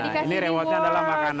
nah ini rewardnya adalah makanan